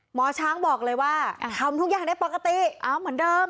หมอช้างบอกเลยว่าทำทุกอย่างได้ปกติเอาเหมือนเดิม